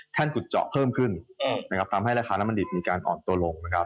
แท่นกุดเจาะเพิ่มขึ้นทำให้ราคาน้ำมันดิบมีการอ่อนตัวลง